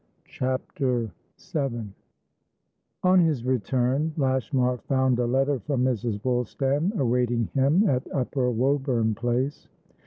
CHAPTER VII On his return, Lashmar found a letter from Mrs. Woolstan awaiting him at Upper Woburn Place.